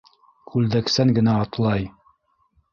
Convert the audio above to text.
Күл дәксән генә атлай